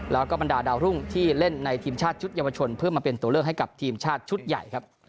แล้วก็บรรดาดาวรุ่งที่เล่นในทีมชาติชุดเยาวชนเพื่อมาเป็นตัวเลือกให้กับทีมชาติชุดใหญ่ครับ